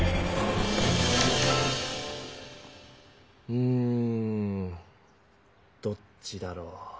うんどっちだろう。